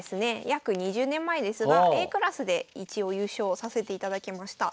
約２０年前ですがＡクラスで一応優勝させていただきました。